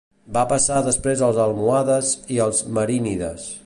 Va passar després als almohades i als marínides.